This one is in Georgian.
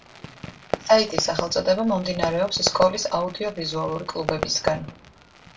საიტის სახელწოდება მომდინარეობს სკოლის აუდიოვიზუალური კლუბებისგან.